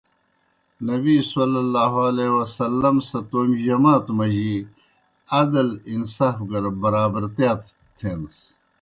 نبیؐ سہ تومیْ جماتو مجی عدل، انصاف گہ برابرتِیا تھینَس۔